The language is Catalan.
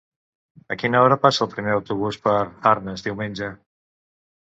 A quina hora passa el primer autobús per Arnes diumenge?